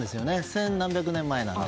千何百年前なので。